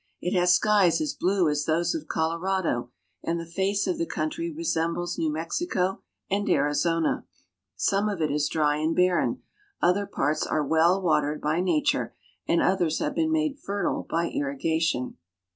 It has skies as blue as those of Colorado, and the face of the country resembles New Mexico and Arizona. Some of it is dry and barren, other parts are well watered by nature, and others have been made fertile by irrigation.